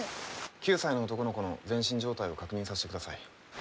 ９歳の男の子の全身状態を確認させてください。